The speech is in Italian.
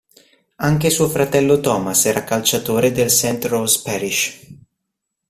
Anche suo fratello Thomas era calciatore del St. Rose Parish.